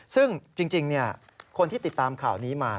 ซึ่งจริงคนที่ติดตามข่าวนี้มา